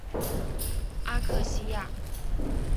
阿克西亚。